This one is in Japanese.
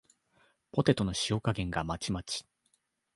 ポテトの塩加減がまちまち